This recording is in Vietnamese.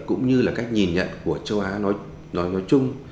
cũng như là cách nhìn nhận của châu á nói chung